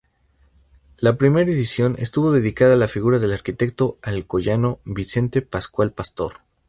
La primera edición estuvo dedicada a la figura del arquitecto alcoyano Vicente Pascual Pastor.